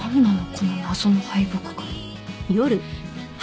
この謎の敗北感。